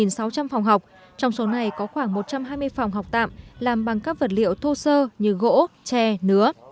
trên sáu trăm linh phòng học trong số này có khoảng một trăm hai mươi phòng học tạm làm bằng các vật liệu thô sơ như gỗ tre nứa